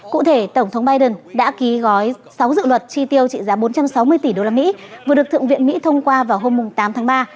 cụ thể tổng thống biden đã ký gói sáu dự luật chi tiêu trị giá bốn trăm sáu mươi tỷ usd vừa được thượng viện mỹ thông qua vào hôm tám tháng ba